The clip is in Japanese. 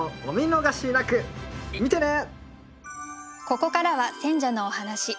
ここからは選者のお話。